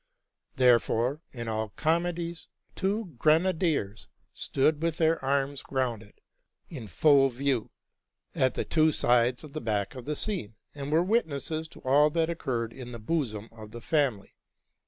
Therefore, in all comedies, two grenadiers stood with their arms grounded, in full view, at the two sides of the back scene, and were witnesses of all that occurred in the bosom of the family.